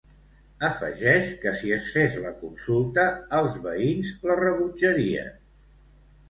Afegeix que si es fes la consulta, els veïns la rebutjarien.